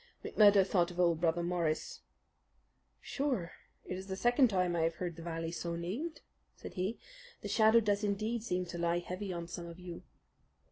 McMurdo thought of old Brother Morris. "Sure, it is the second time I have heard the valley so named," said he. "The shadow does indeed seem to lie heavy on some of you."